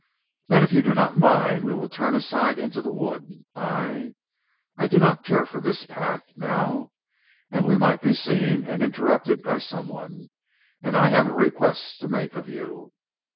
"Then if you do not mind we will turn aside into the wood. I I do not care for this path, now, and we might be seen and interrupted by some one, and I have a request to make of you."